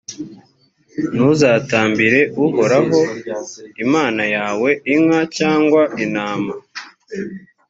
ntuzatambire uhoraho imana yawe inka cyangwa intama